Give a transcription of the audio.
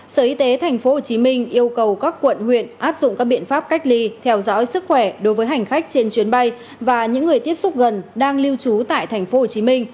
sở y tế tp hcm yêu cầu các quận huyện áp dụng các biện pháp cách ly theo dõi sức khỏe đối với hành khách trên chuyến bay và những người tiếp xúc gần đang lưu trú tại tp hcm